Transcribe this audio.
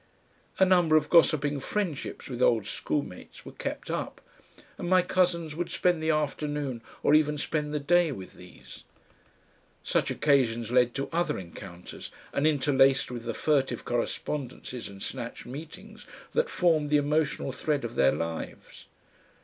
A number of gossiping friendships with old school mates were "kept up," and my cousins would "spend the afternoon" or even spend the day with these; such occasions led to other encounters and interlaced with the furtive correspondences and snatched meetings that formed the emotional thread of their lives.